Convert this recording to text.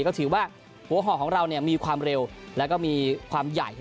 ก็ถือว่าหัวห่อของเรามีความเร็วแล้วก็มีความใหญ่